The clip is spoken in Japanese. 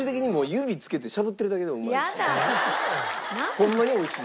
ホンマに美味しい。